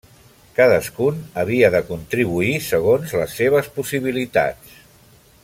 Cadascun havia de contribuir segons les seves possibilitats.